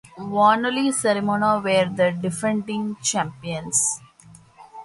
Vanoli Cremona were the defending champions.